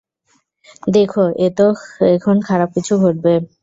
দেখো এখন খারাপ কিছু ঘটবে।